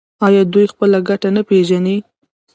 آیا دوی خپله ګټه نه پیژني؟